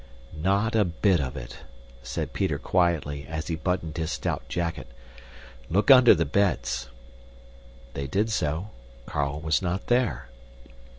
"Not a bit of it," said Peter quietly as he buttoned his stout jacket. "Look under the beds." They did so. Carl was not there.